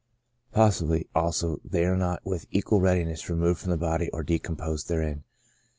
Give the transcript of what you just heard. Possibly, also, they are not with equal readiness removed from the body or decomposed therein.